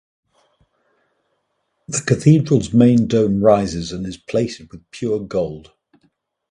The cathedral's main dome rises and is plated with pure gold.